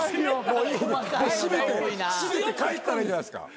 閉めて帰ったらいいじゃないですか。